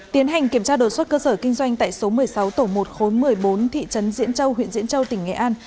tiến hành kiểm tra đột xuất cơ sở kinh doanh tại số một mươi sáu tổ một khối một mươi bốn thị trấn diễn châu huyện diễn châu tỉnh nghệ an